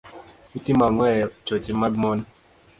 itimo ang'o e choche mag mon